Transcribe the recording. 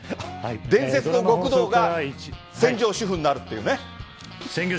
伝説の極道が専業主夫になるというね。